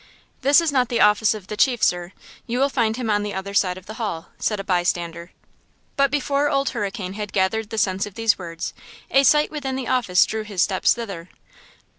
"This is not the office of the chief, sir; you will find him on the other side of the hall," said a bystander. But before Old Hurricane had gathered the sense of these words, a sight within the office drew his steps thither.